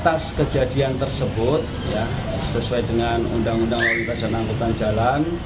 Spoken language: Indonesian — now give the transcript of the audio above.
atas kejadian tersebut ya sesuai dengan undang undang wawancara namputan jalan